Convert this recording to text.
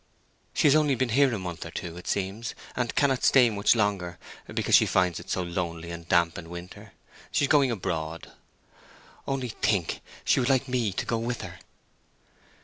"She has only been here a month or two, it seems, and cannot stay much longer, because she finds it so lonely and damp in winter. She is going abroad. Only think, she would like me to go with her."